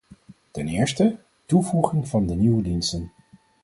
Ten eerste, toevoeging van de nieuwe diensten.